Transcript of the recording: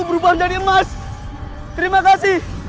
terpujilah angkoh yang maha agung